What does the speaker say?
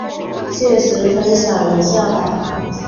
届时分享一下吧